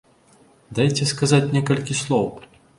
Дайце сказаць некалькі слоў!